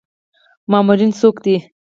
مامورین څوک دي؟